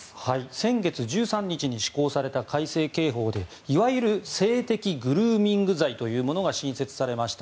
先月１３日に施行された改正刑法でいわゆる性的グルーミング罪というものが新設されました。